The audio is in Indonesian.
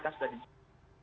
kan sudah disediakan